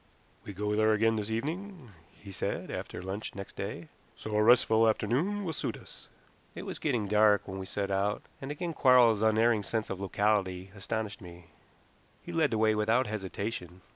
"We go there again this evening," he said after lunch next day; "so a restful afternoon will suit us." It was getting dark when we set out, and again Quarles's unerring sense of locality astonished me. He led the way without hesitation.